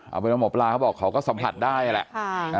เอาไปลำหมดปลาเขาบอกเขาก็สัมผัสได้แหละค่ะ